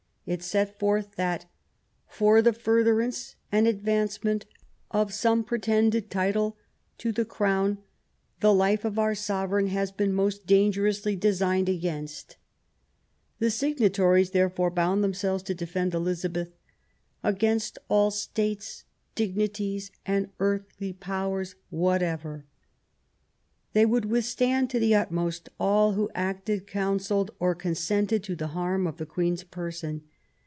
It set forth that "for the furtherance and advancement of some pretended title to the Crown, the life of our sovereign has been most dangerously designed against ". The signatories therefore bound themselves to defend Elizabeth against all States, dignities and earthly powers whatever'*. They would withstand to the utmost all who acted, counselled, or consented to the harm of the Queen's person.